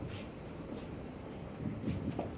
ก็จะเสียชีวิตโดย